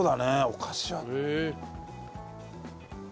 お菓子は。